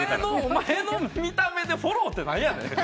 お前の見た目でフォローって何やねん？